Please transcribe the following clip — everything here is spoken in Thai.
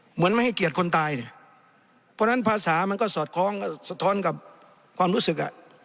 เหมือนไม่ให้เกียรติคนตายเนี่ยเพราะฉะนั้นภาษามันก็สอดคล้องสะท้อนกับความรู้สึกอ่ะ